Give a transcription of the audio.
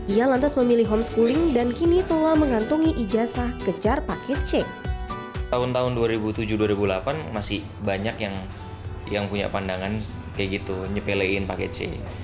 ia lantas memilih homeschooling dan kini telah mengantungi ijasa kejar paket c